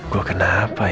gue kenapa ya